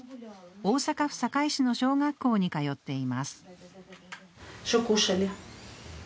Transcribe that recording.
大阪府堺市の小学校に通っています。